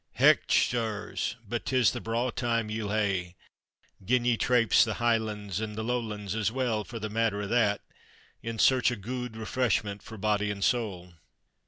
Hech, sirs! but 'tis the braw time ye'll hae, gin ye trapese the Highlands, an' the Lowlands as well for the matter o' that in search o' guid refreshment for body an' soul.